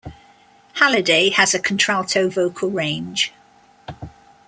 Halliday has a contralto vocal range.